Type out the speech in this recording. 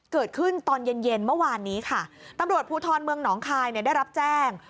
ตอนเย็นเย็นเมื่อวานนี้ค่ะตำรวจภูทรเมืองหนองคายเนี่ยได้รับแจ้ง